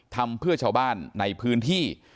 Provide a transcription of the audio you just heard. ทำเพื่อชาวบ้านในพื้นที่